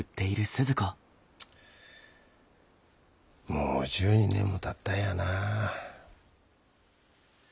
もう１２年もたったんやなあ。